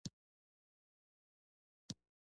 خوب د جسم توازن ته مهم دی